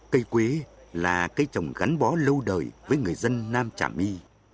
cây quế là cây trồng gắn bó lâu đời với người dân nam trả mi